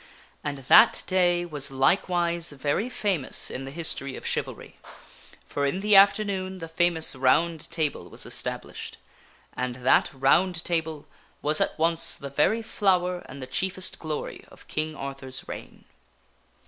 And that day was likewise very famous in the history of chivalry, for in the afternoon the famous Round Table was established, and that Round Table was at once the very flower and the chiefest glory of King Arthur's reign.